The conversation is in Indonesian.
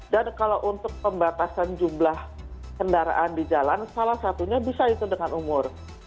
dan kalau untuk pembatasan jumlah kendaraan di jalan salah satunya bisa itu dengan umur